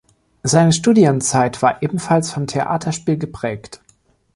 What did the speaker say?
Seine Studienzeit war ebenfalls vom Theaterspiel geprägt.